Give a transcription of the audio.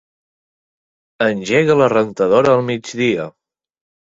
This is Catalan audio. Engega la rentadora al migdia.